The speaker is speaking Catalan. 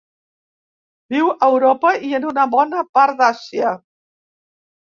Viu a Europa i en una bona part d'Àsia.